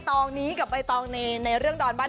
น้องกระดาษอีกท่านหนึ่งก็คือด้านนั้น